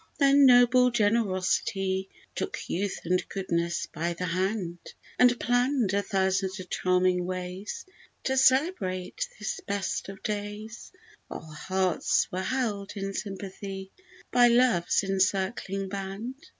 Then noble generosity Took youth and goodness by the hand, And planned a thousand charming ways To celebrate this best of days, While hearts were held in sympathy By love's encircling band.